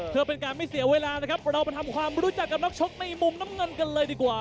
เพื่อเป็นการไม่เสียเวลานะครับเราไปทำความรู้จักกับนักชกในมุมน้ำเงินกันเลยดีกว่า